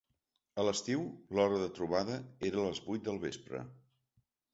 A l’estiu, l’hora de trobada era a les vuit del vespre.